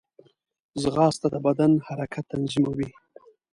ځغاسته د بدن حرکات تنظیموي